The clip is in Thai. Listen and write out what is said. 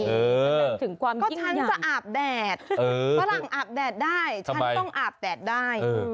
ก็ฉันจะอาบแดดฝรั่งอาบแดดได้ฉันต้องอาบแดดได้